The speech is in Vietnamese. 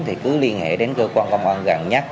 thì cứ liên hệ đến cơ quan công an gần nhất